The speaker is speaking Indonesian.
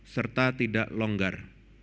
serta tidak longgar